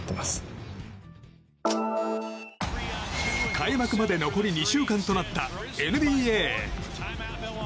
開幕まで残り２週間となったＮＢＡ。